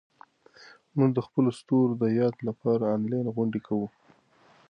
موږ د خپلو ستورو د یاد لپاره انلاین غونډې کوو.